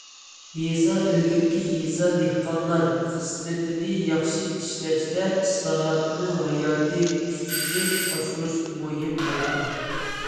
« يېزا ئىگىلىكى، يېزا، دېھقانلار» خىزمىتىنى ياخشى ئىشلەشتە ئىسلاھاتنىڭ ھاياتىي كۈچىنى ئاشۇرۇش مۇھىم ھالقا.